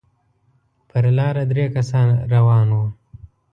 پر لاره درې کسه روان وو.